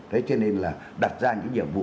thế cho nên là đặt ra những nhiệm vụ